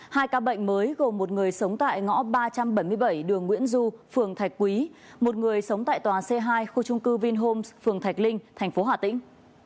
hai ca bệnh mới gồm một người sống tại ngõ ba trăm bảy mươi bảy đường nguyễn du phường thạch quý một người sống tại tòa c hai khu trung cư vinhome phường thạch linh tp hà tĩnh